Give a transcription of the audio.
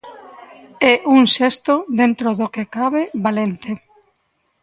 É un xesto, dentro do que cabe, valente.